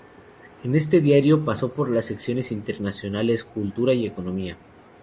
En ese diario pasó por las secciones de Internacionales, Cultura y Economía.